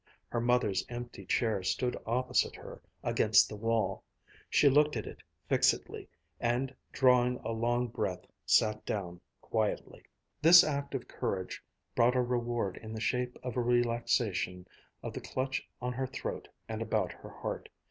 Her mother's empty chair stood opposite her, against the wall. She looked at it fixedly; and drawing a long breath sat down quietly. This act of courage brought a reward in the shape of a relaxation of the clutch on her throat and about her heart.